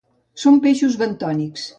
Són peixos bentònics.